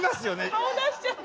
顔出しちゃって。